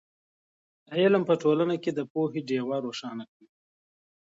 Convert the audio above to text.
علم په ټولنه کې د پوهې ډېوه روښانه کوي.